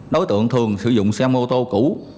đối tượng thường sử dụng xe mô tô cũ